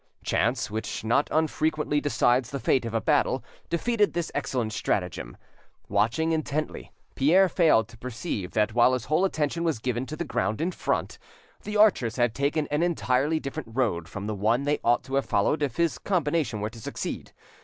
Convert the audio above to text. Chance, which not unfrequently decides the fate of a battle, defeated this excellent stratagem. Watching intently; Pierre failed to perceive that while his whole attention was given to the ground in front, the archers had taken an entirely different road from the one they ought to have followed if his combination were to succeed.